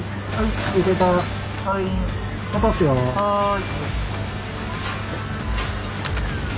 はい。